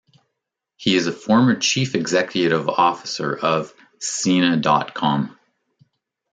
He is a former Chief Executive Officer of Sina dot com.